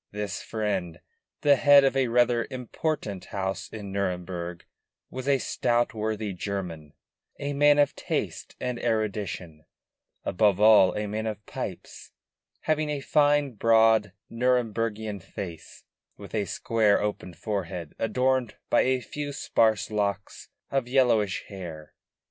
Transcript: This friend, the head of a rather important house in Nuremburg, was a stout worthy German, a man of taste and erudition, above all a man of pipes, having a fine, broad, Nuremburgian face, with a square open forehead adorned by a few sparse locks of yellowish hair.